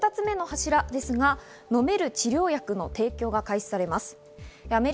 ２つ目の柱ですが飲める治療薬の提供が開始されます。